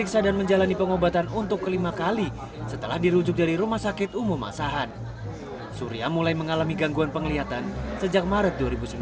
surya mulai mengalami gangguan penglihatan sejak maret dua ribu sembilan belas